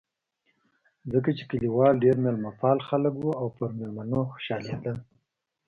ځکه چې کلیوال ډېر مېلمه پال خلک و او پر مېلمنو خوشحالېدل.